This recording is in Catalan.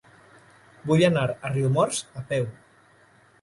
Vull anar a Riumors a peu.